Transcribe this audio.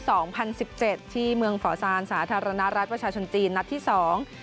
สองพันสิบเจ็ดที่เมืองฝาซานสาธารณรัฐประชาชนจีนนัดที่สอง